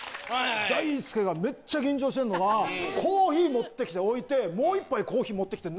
大輔がめっちゃ緊張してんのがコーヒー持って来て置いてもう１杯コーヒー持って来て。